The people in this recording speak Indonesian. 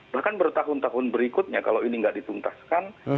bahkan bertahun tahun berikutnya kalau ini tidak dituntaskan